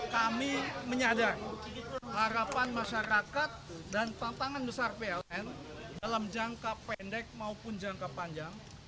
kami menyadar harapan masyarakat dan tantangan besar pln dalam jangka pendek maupun jangka panjang